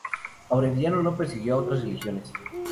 Aureliano no persiguió a otras religiones.